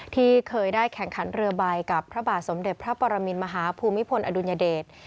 ที่เคยได้แข่งขันเรือใบกับพระบาทสมเด็จพระปรมินมหาภูมิพลอดุลยเดช